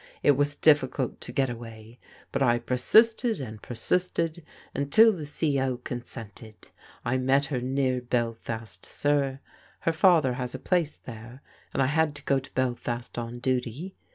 It was difficult to get away, but I per sisted and persisted imtil the C O. consented. I met her near Belfast, sir. Her father has a place there, and I had to go to Belfast on duty.